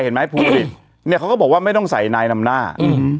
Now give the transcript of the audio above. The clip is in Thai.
เห็นไหมภูริเนี่ยเขาก็บอกว่าไม่ต้องใส่นายนำหน้าอืม